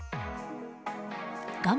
画面